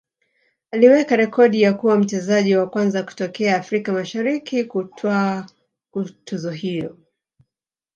aliweka rekodi ya kuwa mchezaji wa kwanza kutokea Afrika Mashariki kutwaa tuzo hiyo